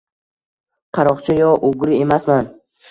Qaroqchi yo ugri emasman